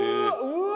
うわ！